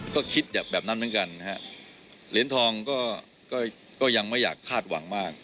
ก็คิดแบบนั้นเหมือนกันนะฮะเหรียญทองก็ยังไม่อยากคาดหวังมาก